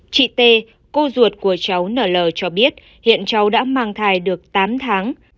chị t cô ruột của cháu n l cho biết hiện cháu đã mang thai được tám tháng